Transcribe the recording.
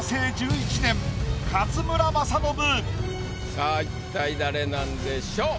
さぁ一体誰なんでしょう？